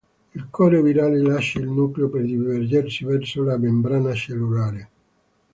Il core virale lascia il nucleo per dirigersi verso la membrana cellulare.